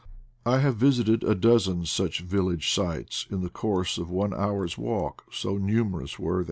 I have visited a dozen such village sites in the course of one hour's walk, so numerous were they.